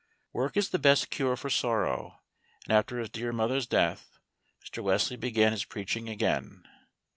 Work is the best cure for sorrow; and after his dear mother's death, Mr. Wesley began his preaching again.